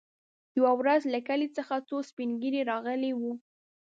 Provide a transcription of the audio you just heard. يوه ورځ له کلي څخه څو سپين ږيري راغلي وو.